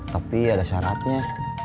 tapi ada syaratnya